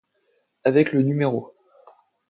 Avec le No.